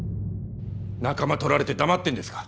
仲間とられて黙ってんですか？